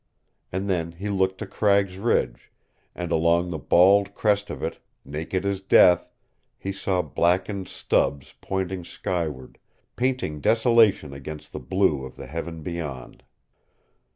And then he looked to Cragg's Ridge, and along the bald crest of it, naked as death, he saw blackened stubs pointing skyward, painting desolation against the blue of the heaven beyond.